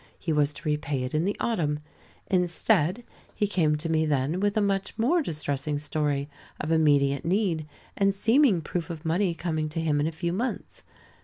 He was to repay it in the autumn. Instead, he came to me then with a much more distressing story of immediate need and seeming proof of money coming to him in a few months.